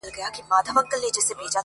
سرونه رغړي ویني وبهیږي؛